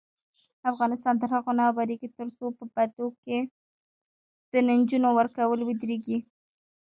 افغانستان تر هغو نه ابادیږي، ترڅو په بدو کې د نجونو ورکول ودریږي.